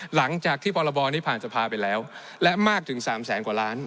หลังจากที่พรบนี้ผ่านสภาไปแล้วและมากถึง๓แสนกว่าล้าน